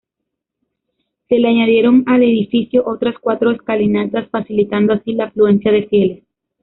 Se le añadieron al edificio otras cuatro escalinatas facilitando así la afluencia de fieles.